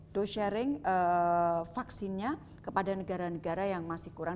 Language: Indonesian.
do sharing vaksinnya kepada negara negara yang masih kurang